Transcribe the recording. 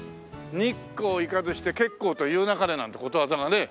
日光を行かずして結構と言うなかれなんてことわざがね。